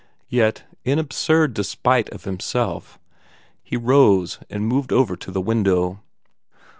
Yet, in absurd despite of himself, he rose and moved over to the window.